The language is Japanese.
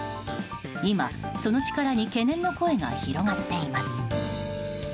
今、その力に懸念の声が広がっています。